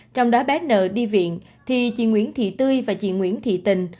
trong đó bé nợ đi viện thì chị nguyễn thị tươi và chị nguyễn thị tình